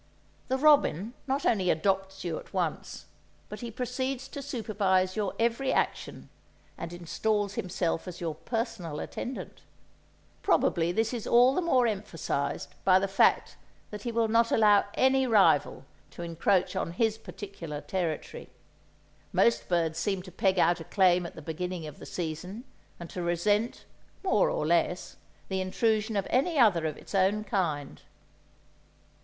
The robin not only adopts you at once, but he proceeds to supervise your every action, and instals himself as your personal attendant. Probably this is all the more emphasized by the fact that he will not allow any rival to encroach on his particular territory. Most birds seem to peg out a claim at the beginning of the season, and to resent, more or less, the intrusion of any other of its own kind.